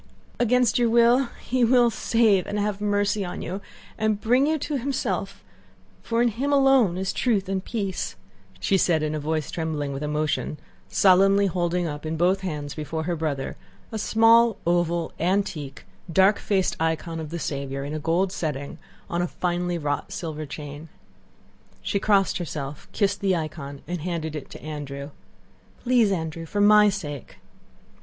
"Against your will He will save and have mercy on you and bring you to Himself, for in Him alone is truth and peace," said she in a voice trembling with emotion, solemnly holding up in both hands before her brother a small, oval, antique, dark faced icon of the Saviour in a gold setting, on a finely wrought silver chain. She crossed herself, kissed the icon, and handed it to Andrew. "Please, Andrew, for my sake!..."